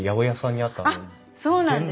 あっそうなんです。